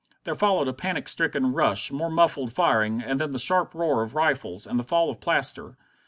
There followed a panic stricken rush, more muffled firing, and then the sharp roar of rifles, and the fall of plaster.